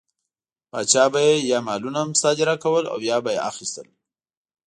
پاچا به یې یا مالونه مصادره کول او یا به یې اخیستل.